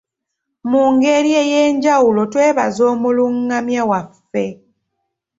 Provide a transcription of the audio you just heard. Mu ngeri ey’enjawulo twebaza omulungamya waffe.